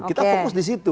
kita fokus di situ